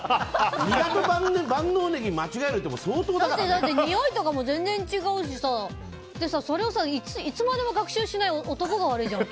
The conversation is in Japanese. ニラと万能ネギを間違えるってにおいとかも全然違うしさそれをいつまでも学習しない男が悪いじゃん。